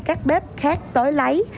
các bếp khác tới lấy